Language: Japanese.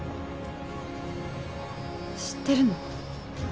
知ってるの？